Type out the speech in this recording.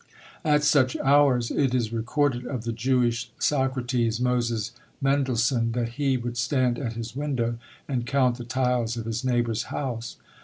At such hours it is recorded of the Jewish Socrates, Moses Mendelssohn, that he would stand at his window, and count the tiles of his neighbour's house.